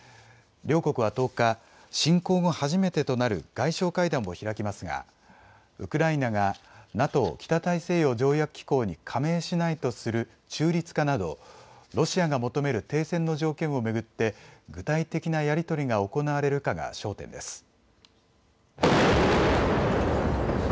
両国は１０日、侵攻後、初めてとなる外相会談を開きますがウクライナがＮＡＴＯ・北大西洋条約機構に加盟しないとする中立化などロシアが求める停戦の条件を巡って具体的なやり取りが行われるかが焦点です。